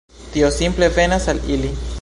Tio simple venas al ili.